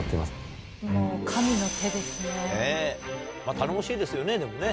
頼もしいですよねでもね。